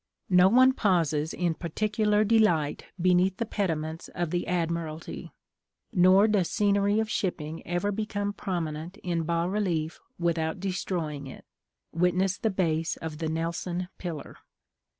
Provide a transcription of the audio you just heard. No one pauses in particular delight beneath the pediments of the Admiralty; nor does scenery of shipping ever become prominent in bas relief without destroying it: witness the base of the Nelson pillar.